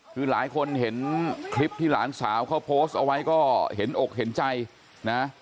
คือหลายคนเห็นคลิปที่หลานสาวเขาโพสต์เอาไว้ก็เห็นอกเห็นใจนะ